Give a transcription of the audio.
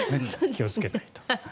気をつけないと。